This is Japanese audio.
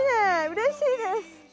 嬉しいです。